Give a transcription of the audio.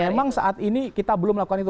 memang saat ini kita belum melakukan itu